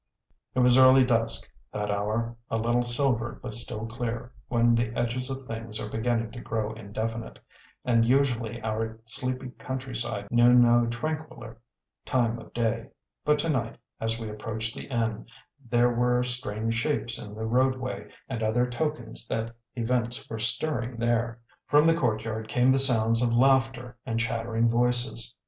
It was early dusk, that hour, a little silvered but still clear, when the edges of things are beginning to grow indefinite, and usually our sleepy countryside knew no tranquiller time of day; but to night, as we approached the inn, there were strange shapes in the roadway and other tokens that events were stirring there. From the courtyard came the sounds of laughter and chattering voices.